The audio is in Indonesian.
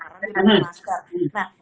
karena dia pakai masker